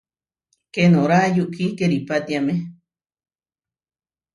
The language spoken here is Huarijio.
Keenorá yukí keripátiame.